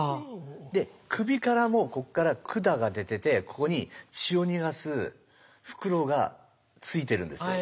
で首からもこっから管が出ててここに血を逃がす袋がついてるんですよ。